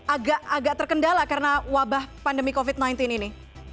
agak agak terkendala karena wabah pandemi covid sembilan belas ini